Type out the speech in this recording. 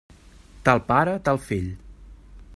Tal pare, tal fill.